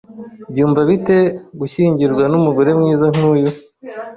Byumva bite gushyingirwa numugore mwiza nkuyu?